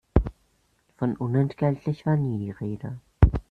Von unentgeltlich war nie die Rede.